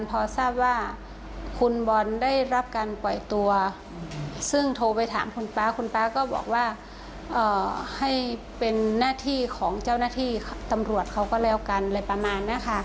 พอทราบว่าคุณบอลได้รับการปล่อยตัวซึ่งโทรไปถามคุณป๊าคุณป๊าก็บอกว่าให้เป็นหน้าที่ของเจ้าหน้าที่ตำรวจเขาก็แล้วกันอะไรประมาณนี้ค่ะ